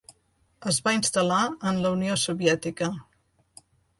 Es va instal·lar en la Unió Soviètica.